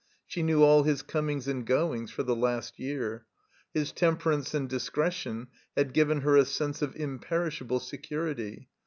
She knew all his comings and goings for the last year. His temperance and discretion had given her a sense of imperishable security.